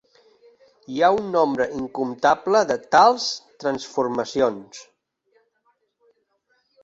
Hi ha un nombre incomptable de tals transformacions.